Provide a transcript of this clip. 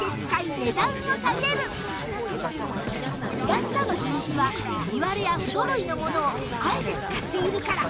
安さの秘密は身割れや不揃いのものをあえて使っているから